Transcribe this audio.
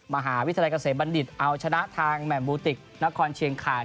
มหาวิทยาลัยเกษมบัณฑิตเอาชนะทางแหม่มบูติกนครเชียงขาด